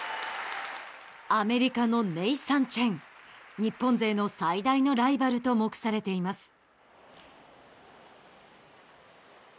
アメリカのネイサン・チェン日本勢の最大のライバルとも目されています。